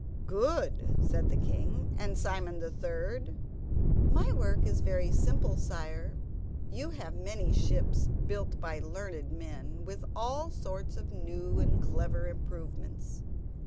"Good," said the king; "and Simon the third?" "My work is very simple, sire. You have many ships built by learned men, with all sorts of new and clever improvements.